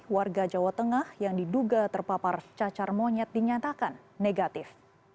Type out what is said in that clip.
warga jawa tengah yang diduga terpapar cacar monyet dinyatakan negatif